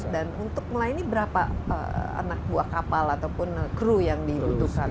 dan untuk melayani berapa anak buah kapal ataupun kru yang dibutuhkan